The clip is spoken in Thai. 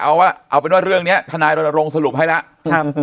เอาเอาเป็นว่าเรื่องเนี้ยธนายรณรงค์สรุปให้ล่ะครับ